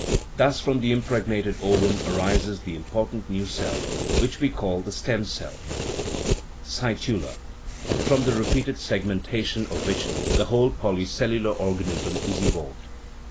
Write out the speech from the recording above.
Thus from the impregnated ovum arises the important new cell which we call the " stem cell " (cy tula], from the repeated segmentation of which the whole polycellular organism is evolved.